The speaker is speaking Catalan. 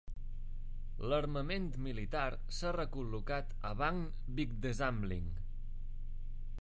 L'armament militar s'ha recol·locat a Bagn Bygdesamling.